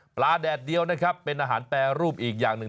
แดดเดียวนะครับเป็นอาหารแปรรูปอีกอย่างหนึ่ง